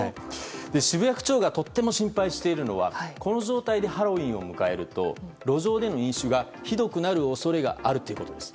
渋谷区長がとっても心配しているのは、この状態でハロウィーンを迎えると、路上での飲酒がひどくなるおそれがあるっていうことです。